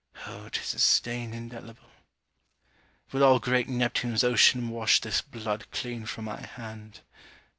Oh 'tis a stain indelible! Will all great Neptune's ocean wash this blood Clean from my hand?